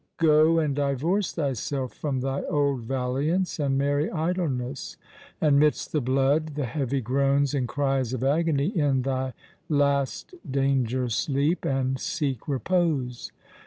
Go! and divorce thyself from thy old Valiance, And marry Idleness: and midst the blood, The heavy groans and cries of agony, In thy last danger sleep, and seek repose!